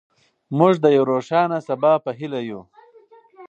موږ د یو روښانه سبا په هیله یو.